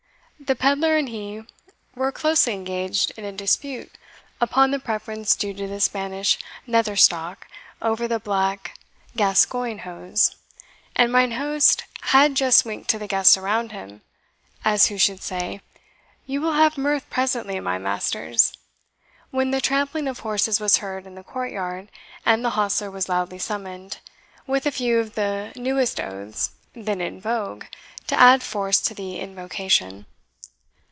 The pedlar and he were closely engaged in a dispute upon the preference due to the Spanish nether stock over the black Gascoigne hose, and mine host had just winked to the guests around him, as who should say, "You will have mirth presently, my masters," when the trampling of horses was heard in the courtyard, and the hostler was loudly summoned, with a few of the newest oaths then in vogue to add force to the invocation.